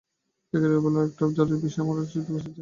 জাকারিয়া বললেন, আরেকটা জরুরি বিষয় আমার আলোচ্যসূচিতে আছে।